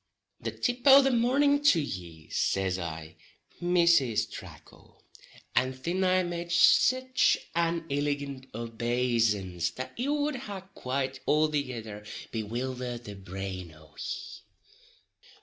"The tip o' the mornin' to ye," says I, "Mrs. Tracle," and thin I made sich an illigant obaysance that it wud ha quite althegither bewildered the brain o' ye.